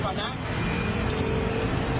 ก็ถูกก่อน